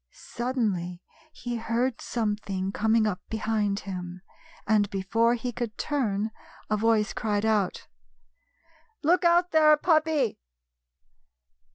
Suddenly he heard something coming up be hind him, and, before he could turn, a voice cried out: " Look out there, puppy